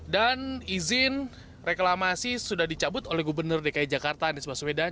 dan izin reklamasi sudah dicabut oleh gubernur dki jakarta anies baswedan